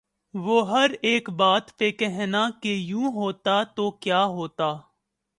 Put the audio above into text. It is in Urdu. وہ ہر ایک بات پہ کہنا کہ یوں ہوتا تو کیا ہوتا